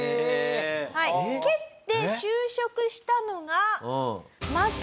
蹴って就職したのが。